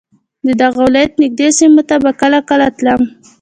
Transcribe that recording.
د دغه ولایت نږدې سیمو ته به کله کله تلم.